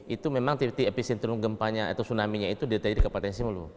itu memang tipis tipis episentrum gempanya atau tsunaminya itu terjadi di kepulauan simelu